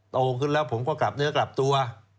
โตขึ้นแล้วผมก็กลับเนื้อกลับตัว